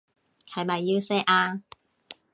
係咪要錫啊？